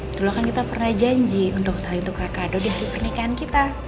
dulu kan kita pernah janji untuk saling tukar kado di hari pernikahan kita